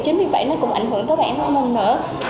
chính vì vậy nó cũng ảnh hưởng tới bản thân mình nữa